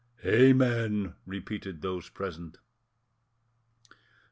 "Amen," repeated those present.